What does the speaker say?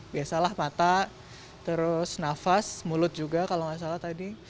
biasalah mata terus nafas mulut juga kalau nggak salah tadi